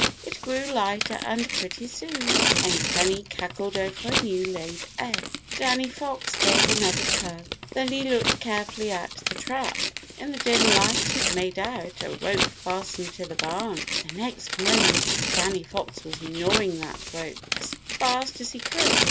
It grew lighter and pretty soon Henny Penny cackled over her new laid egg. Danny Fox gave another tug. Then he looked carefully at the trap. In the dim light he made out a rope fastened to the barn. The next moment Danny Fox was gnawing that rope as fast as he could.